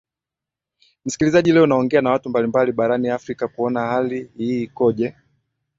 msikilizaji leo naongea na watu mbalimbali barani afrika kuona hali hii ikoje